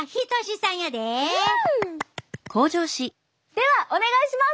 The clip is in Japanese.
ではお願いします！